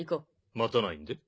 待たないんで？